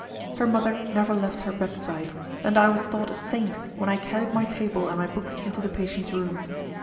Her mother never left her bedside, and I was thought a saint when I carried my table and my books into the patient's room.